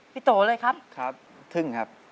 โตเลยครับครับทึ่งครับ